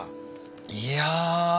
いや。